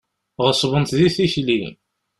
Ɣeṣbent di tikli.